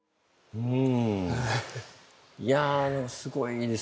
うん。